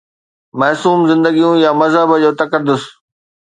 معصوم زندگيون يا مذهب جو تقدس؟